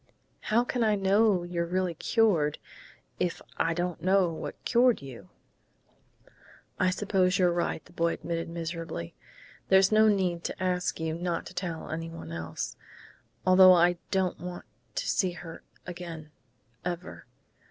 "How can I know you're really cured, if I don't know what cured you?" "I suppose you're right," the boy admitted miserably. "There's no need to ask you not to tell anyone else. Although I don't want to see her again ever